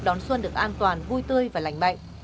đón xuân được an toàn vui tươi và lành mạnh